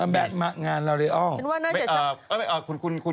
แบบมะงานราวเลอร์